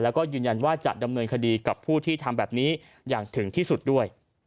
แล้วก็ยืนยันว่าจะดำเนินคดีกับผู้ที่ทำแบบนี้อย่างถึงที่สุดด้วย